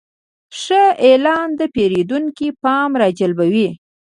ښه اعلان د پیرودونکي پام راجلبوي.